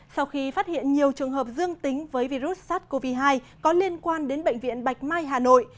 sau khi phát hiện nhiều trường hợp dương tính với virus sars cov hai có liên quan đến bệnh viện bạch mai hà nội